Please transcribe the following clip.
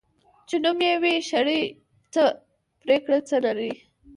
چی نوم یی وی شړي ، څه پریکړه ځه نري .